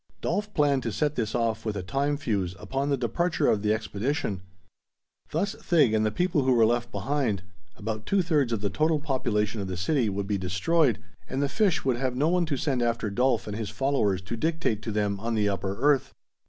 Dolf planned to set this off with a time fuse, upon the departure of the expedition. Thus Thig and the people who were left behind about two thirds of the total population of the city would be destroyed, and the fish would have no one to send after Dolf and his followers to dictate to them on the upper earth.